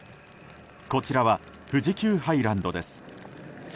こちらは富士急ハイランドです。